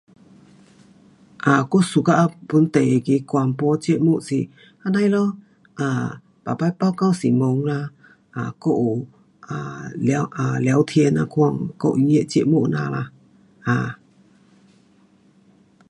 啊，我 suka 本地那个广播节目是这样的咯，um 每次报告新闻啊，um 还有 um 聊 um 聊天那款，还有音乐节目这样啦。um